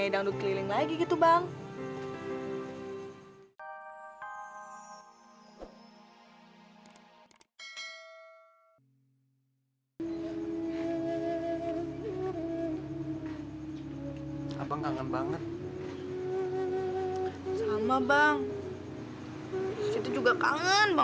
iya tenang aja usap usap terus nih